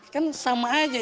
kan sama aja